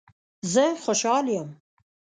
زه خوشحال یم